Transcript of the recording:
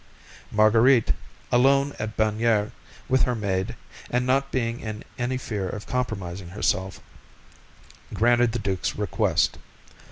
Marguerite, alone at Bagnères with her maid, and not being in any fear of compromising herself, granted the duke's request.